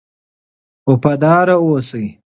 وفادار اوسئ.